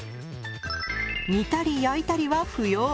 煮たり焼いたりは不要。